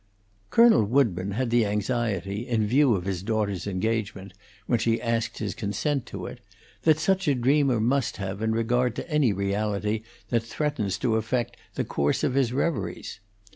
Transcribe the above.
Colonel Woodburn had the anxiety, in view of his daughter's engagement, when she asked his consent to it, that such a dreamer must have in regard to any reality that threatens to affect the course of his reveries.